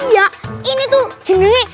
iya ini tuh jenisnya